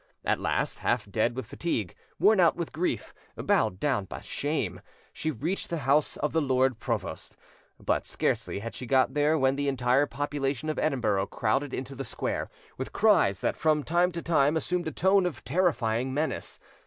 At last, half dead with fatigue, worn out with grief, bowed down with shame, she reached the house of the Lord Provost; but scarcely had she got there when the entire population of Edinburgh crowded into the square, with cries that from time to time assumed a tone of terrifying menace.